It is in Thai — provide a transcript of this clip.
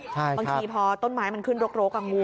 บางทีพอต้นไม้มันขึ้นรกงู